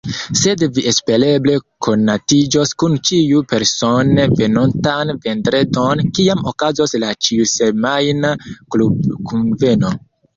Sed vi espereble konatiĝos kun ĉiuj persone venontan vendredon, kiam okazos la ĉiusemajna klubkunveno.